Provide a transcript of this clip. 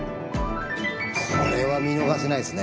これは見逃せないですね。